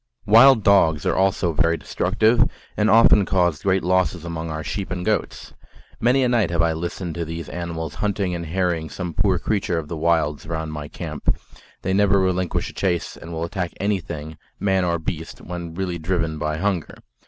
Wild dogs are also very destructive, and often caused great losses among our sheep and goats. Many a night have I listened to these animals hunting and harrying some poor creature of the wilds round my camp; they never relinquish a chase, and will attack anything, man or beast, when really driven by hunger.